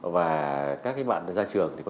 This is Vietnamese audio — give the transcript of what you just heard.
và các bạn đã ra trường